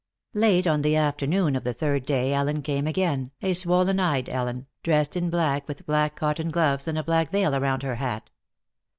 Late on the afternoon of the third day Ellen came again, a swollen eyed Ellen, dressed in black with black cotton gloves, and a black veil around her hat.